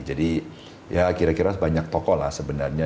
jadi ya kira kira banyak tokoh lah sebenarnya